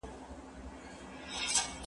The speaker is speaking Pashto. هغه څوک چي سبزیحات تياروي روغ وي؟!